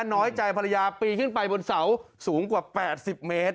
น้อยใจภรรยาปีนขึ้นไปบนเสาสูงกว่า๘๐เมตร